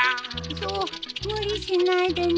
無理しないでね。